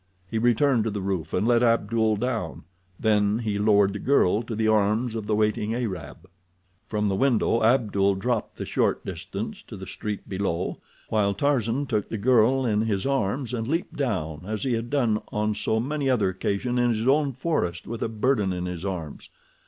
He returned to the roof and let Abdul down, then he lowered the girl to the arms of the waiting Arab. From the window Abdul dropped the short distance to the street below, while Tarzan took the girl in his arms and leaped down as he had done on so many other occasions in his own forest with a burden in his arms.